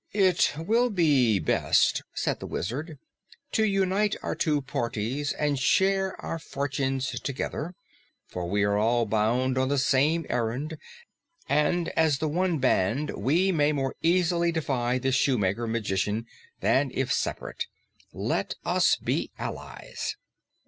"It will be best," said the Wizard, "to unite our two parties and share our fortunes together, for we are all bound on the same errand, and as one band we may more easily defy this shoemaker magician than if separate. Let us be allies."